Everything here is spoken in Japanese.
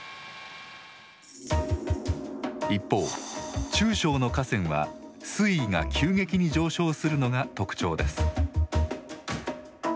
一方、中小の河川は水位が急激に上昇するのが特徴です。